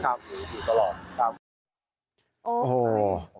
อยู่ตลอด